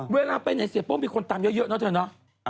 เวลาไปไหนเสียโป้มีคนตามเยอะเนอะเธอเนาะ